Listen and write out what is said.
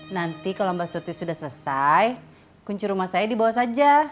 nanti kalau mbak surti sudah selesai kunci rumah saya dibawa saja